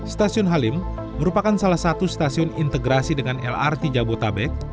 stasiun halim merupakan salah satu stasiun integrasi dengan lrt jabotabek